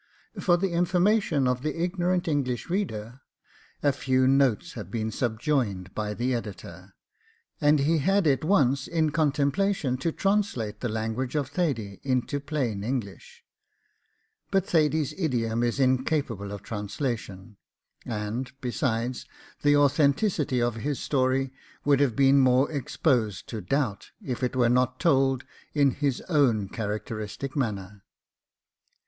For the information of the IGNORANT English reader, a few notes have been subjoined by the editor, and he had it once in contemplation to translate the language of Thady into plain English; but Thady's idiom is incapable of translation, and, besides, the authenticity of his story would have been more exposed to doubt if it were not told in his own characteristic manner.